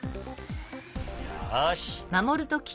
よし！